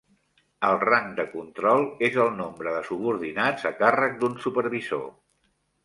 El rang de control és el nombre de subordinats a càrrec d'un supervisor.